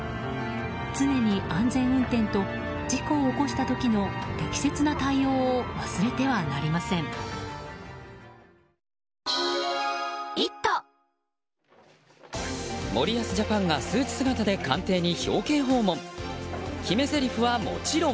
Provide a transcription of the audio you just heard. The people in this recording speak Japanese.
常に、安全運転と事故を起こした時の適切な対応を忘れてはなりません。